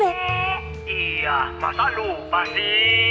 iya masa lupa sih